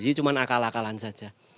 cuma akal akalan saja